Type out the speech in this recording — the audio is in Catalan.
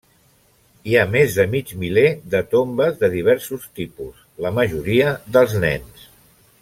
Hi ha més de mig miler de tombes de diversos tipus, la majoria dels nens.